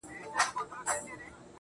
• نه د ژړا نه د خندا خاوند دی.